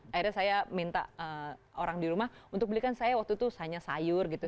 akhirnya saya minta orang di rumah untuk belikan saya waktu itu hanya sayur gitu